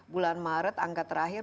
bulan maret angka terakhir